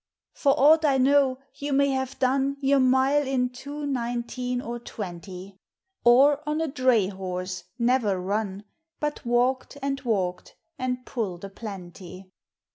For aught I know, you may have done Your mile in two nineteen or twenty; Or, on a dray horse, never run, But walked and walked, and pulled a plenty.